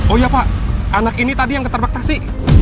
oh iya pak anak ini tadi yang keterbaktasi